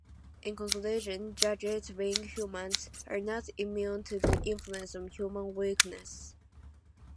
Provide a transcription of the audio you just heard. In conclusion, judges, being human, are not immune to the influence of human weaknesses.